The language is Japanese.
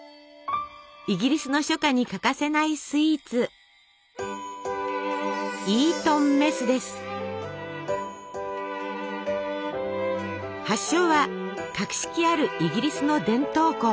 イギリスの初夏に欠かせないスイーツ発祥は格式あるイギリスの伝統校。